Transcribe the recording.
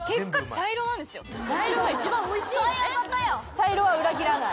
茶色は裏切らない。